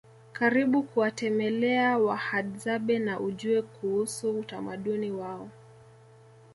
Karibu kuwatemelea Wahadzabe na ujue kuusu utamaduni wao